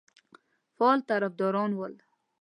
فعال طرفداران ول.